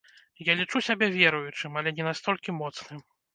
Я лічу сябе веруючым, але не настолькі моцным.